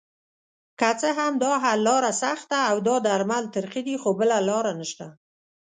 که څه هم داحل لاره سخته اودا درمل ترخه دي خو بله لاره نشته